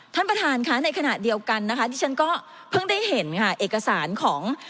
ท่านประธานในขณะเดียวกันดิฉันก็เพิ่งได้เห็นเอกสารของ